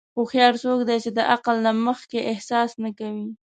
هوښیار څوک دی چې د عقل نه مخکې احساس نه کوي.